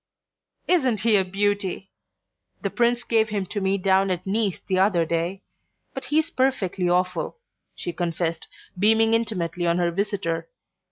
"Isn't he a beauty? The Prince gave him to me down at Nice the other day but he's perfectly awful," she confessed, beaming intimately on her visitor.